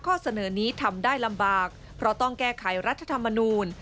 ข้อเสนอนี้ทำได้ลำบากเพราะต้องแก้ไขรัฐธรรมนูล